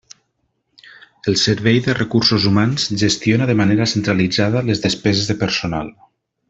El Servei de Recursos Humans gestiona de manera centralitzada les despeses de personal.